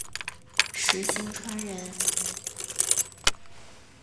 石星川人。